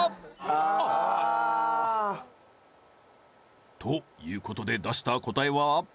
ああーということで出した答えは？